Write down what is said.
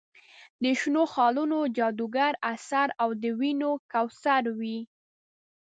د شنو خالونو جادوګر اثر او د ونیو کوثر وي.